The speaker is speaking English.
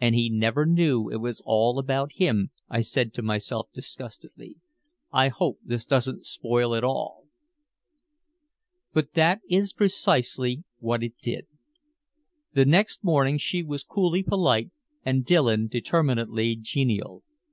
"And he never knew it was all about him," I said to myself disgustedly. "I hope this doesn't spoil it all." But that is precisely what it did. The next morning she was coolly polite and Dillon determinedly genial.